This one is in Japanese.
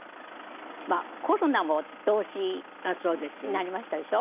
まあコロナも同時になりましたでしょ？